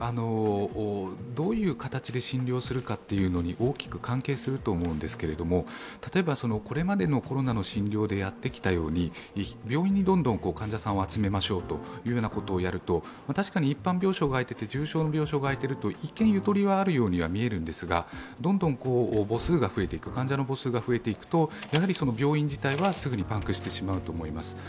どういう形で診療するかというのに大きく関係すると思うんですけれども、これまでのコロナの診療でやってきたように、病院にどんどん患者さんを集めましょうというようなことをやると確かに一般病床があいていて、重症病床があいていると一見ゆとりはあるように見えるんですが、どんどん患者の母数が増えていくと病院自体はすぐにパンクしてしまうと思います。